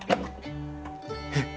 えっ。